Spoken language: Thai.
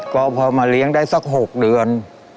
ก็พอมาเลี้ยงได้สัก๖เดือน